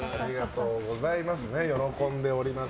喜んでおります